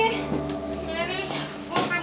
yang mana bujuan klimpuh ampat